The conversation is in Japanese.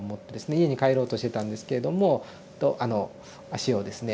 家に帰ろうとしてたんですけれども足をですね